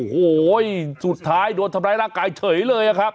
โอ้โหสุดท้ายโดนทำร้ายร่างกายเฉยเลยครับ